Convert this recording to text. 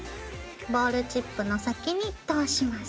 ボールチップの先に通します。